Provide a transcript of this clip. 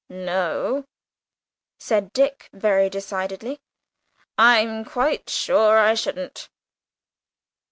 "No," said Dick, very decidedly: "I'm quite sure I shouldn't."